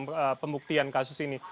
ya pembuktian kasus ini